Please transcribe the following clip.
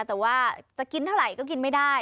แต่ว่าจะกินเท่าไหร่ก็กินไม่ได้